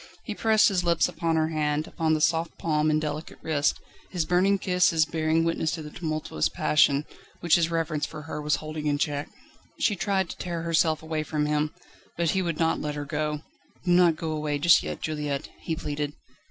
He pressed his lips upon her hand, upon the soft palm and delicate wrist, his burning kisses bearing witness to the tumultuous passion, which his reverence for her was holding in check. She tried to tear herself away from him, but he would not let her go: "Do not go away just yet, Juliette," he pleaded.